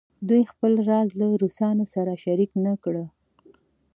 دوی خپل راز له روسانو سره شریک نه کړي.